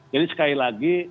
jadi sekali lagi